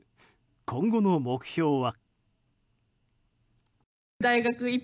今後の目標は。